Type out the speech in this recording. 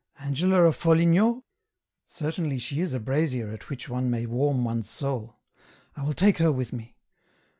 " Angela of Foligno ? Certainly she is a brasier at which one may warm one's soul I will take her with me.